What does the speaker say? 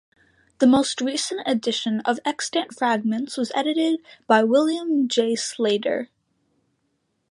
The most recent edition of the extant fragments was edited by William J. Slater.